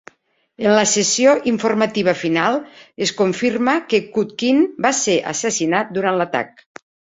En la sessió informativa final, es confirma que Kutkin va ser assassinat durant l'atac.